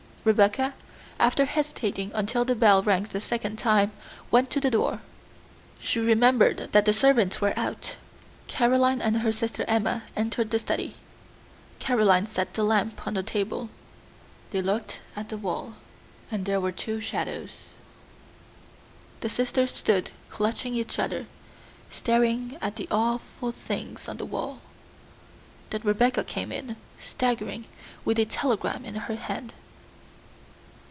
Rebecca, after hesitating until the bell rang the second time, went to the door; she remembered that the servant was out. Caroline and her sister Emma entered the study. Caroline set the lamp on the table. They looked at the wall, and there were two shadows. The sisters stood clutching each other, staring at the awful things on the wall. Then Rebecca came in, staggering, with a telegram in her hand.